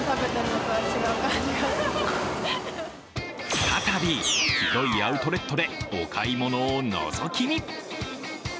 再び広いアウトレットでお買い物をのぞき見。